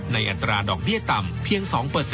อัตราดอกเบี้ยต่ำเพียง๒